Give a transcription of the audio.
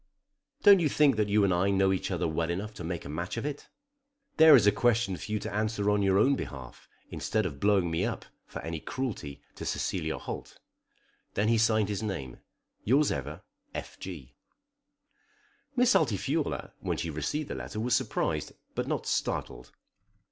"Don't you think that you and I know each other well enough to make a match of it? There is a question for you to answer on your own behalf, instead of blowing me up for any cruelty to Cecilia Holt." Then he signed his name, "Yours ever, F. G." Miss Altifiorla when she received the letter was surprised, but not startled.